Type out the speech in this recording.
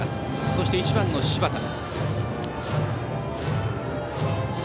そして１番、柴田。